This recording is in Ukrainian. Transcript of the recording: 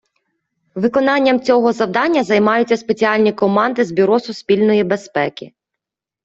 Виконанням цього завдання займаються спеціальні команди з Бюро Суспільної Безпеки.